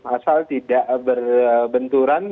asal tidak berbenturan